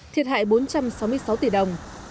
thiệt hại bốn trăm sáu mươi sáu tỷ đồng